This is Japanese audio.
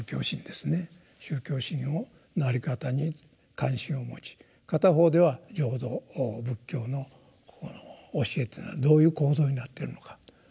宗教心のあり方に関心を持ち片方では浄土仏教のこの教えというのはどういう構造になっているのかということ。